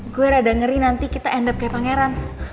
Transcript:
gue rada ngeri nanti kita end up kayak pangeran